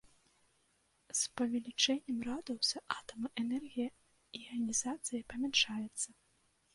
З павелічэннем радыуса атама энергія іанізацыі памяншаецца.